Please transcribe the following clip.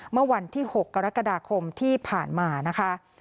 เมื่อวันที่๖กรกฎาคมที่ผ่านมานะคะ